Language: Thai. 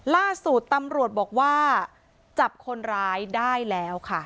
ล่าสุดตำรวจบอกว่าจับคนร้ายได้แล้วค่ะ